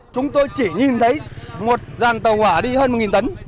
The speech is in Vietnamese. chúng tôi chỉ nhìn thấy một dàn tàu hỏa đi hơn một tấn